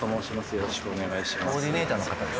よろしくお願いします